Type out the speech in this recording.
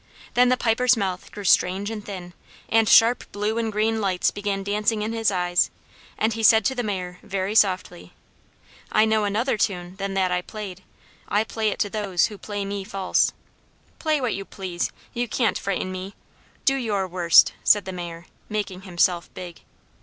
Then the Piper's mouth grew strange and thin, and sharp blue and green lights began dancing in his eyes, and he said to the Mayor very softly, "I know another tune than that I played; I play it to those who play me false." "Play what you please! You can't frighten me! Do your worst!" said the Mayor, making himself big.